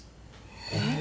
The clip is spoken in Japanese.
えっ？